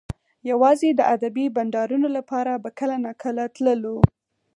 یوازې د ادبي بنډارونو لپاره به کله ناکله تللو